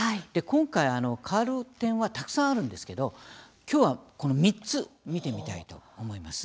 今回、変わる点はたくさんあるんですけどきょうは、この３つ見てみたいと思います。